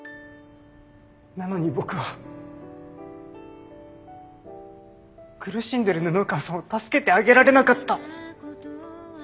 なのに僕は苦しんでる布川さんを助けてあげられなかった。